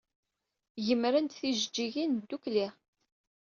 Gemren-d tijeǧǧigin ddukkli.